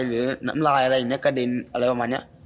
หรือน้ำลายอะไรอย่างนี้กระเด็นอะไรประมาณนี้